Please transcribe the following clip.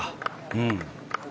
うん。